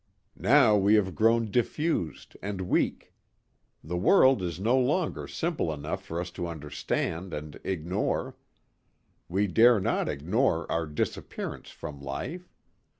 Now we have grown diffused and weak. The world is no longer simple enough for us to understand and ignore. We dare not ignore our disappearance from life.